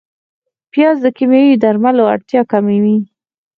پیاز د کیمیاوي درملو اړتیا کموي